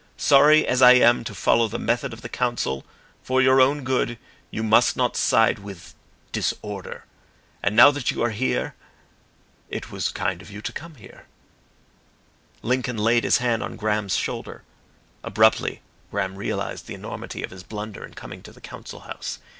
"Sorry as I am to follow the method of the Council . For your own good you must not side with Disorder. And now that you are here . It was kind of you to come here." Lincoln laid his hand on Graham's shoulder. Abruptly Graham realised the enormity of his blunder in coming to the Council House.